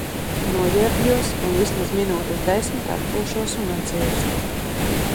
Noģērbjos un vismaz minūtes desmit atpūšos un atdziestu.